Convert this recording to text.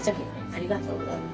ありがとうございます。